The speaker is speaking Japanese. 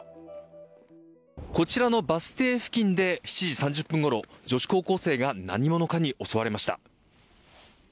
こちらのバス停付近で７時３０分ごろ女子高校生が何者かに襲われました。